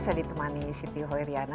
saya ditemani siti hoiriana